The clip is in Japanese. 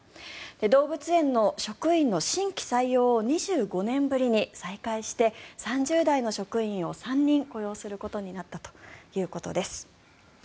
動物園の職員の新規採用を２５年ぶりに再開して３０代の職員を３人雇用することになったということです。